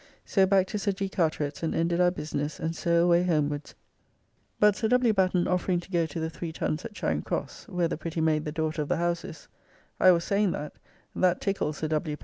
So back to Sir G. Carteret's and ended our business, and so away homewards, but Sir W. Batten offering to go to the 3 Tuns at Charing Cross, where the pretty maid the daughter of the house is; I was saying that, that tickled Sir W.